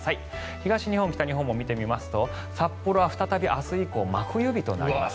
東日本、北日本も見てみますと札幌は再び明日以降真冬日となります。